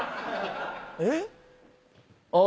えっ？